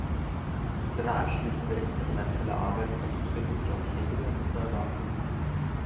Seine anschließende experimentelle Arbeit konzentrierte sich auf Chemie und Pneumatik.